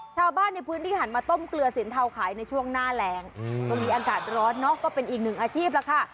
ชาวบ้านในพื้นที่หันมาต้มเกลือสินเทาขายในช่วงหน้าแรงก็มีอากาศร้อนเนอะก็เป็นอีกหนึ่งอาชีพแล้วค่ะ